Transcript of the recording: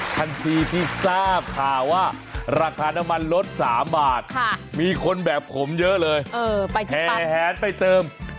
ทันทีที่ทราบข่าวว่าราคาน้ำมันลด๓บาทมีคนแบบผมเยอะเลยแห่แหนไปเติม